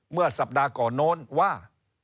เมื่อสัปดาห์ก่อนโน้นว่า